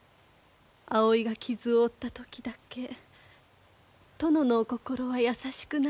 葵が傷を負った時だけ殿のお心は優しくなります。